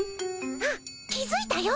あっ気づいたよ。